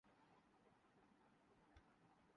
کبھی مظلوم پناہ کی تلاش میں تھے۔